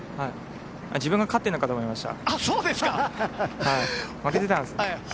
自分が勝っているのかと思いました。